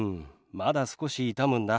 まだ少し痛むんだ。